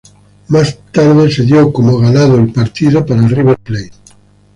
Más tarde, el partido se lo dio como ganado para River Plate.